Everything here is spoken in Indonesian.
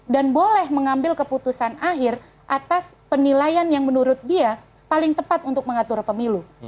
dan boleh mengambil keputusan akhir atas penilaian yang menurut dia paling tepat untuk mengatur pemilu